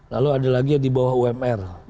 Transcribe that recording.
lalu ada lagi yang di bawah umr